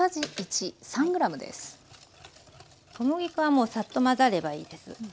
小麦粉はもうサッと混ざればいいです。